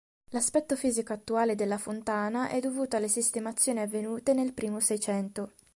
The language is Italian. L'aspetto fisico attuale della fontana è dovuto alle sistemazioni avvenute nel primo seicento.